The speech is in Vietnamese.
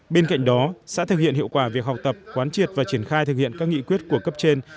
bên cạnh đó xã thực hiện hiệu quả việc học tập quán triệt và triển khai thực hiện các nghị quyết của cấp trên